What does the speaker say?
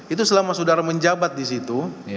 itu selama saudara menjabat disitu